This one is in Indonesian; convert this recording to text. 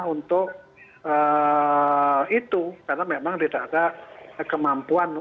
untuk itu karena memang tidak ada kemampuan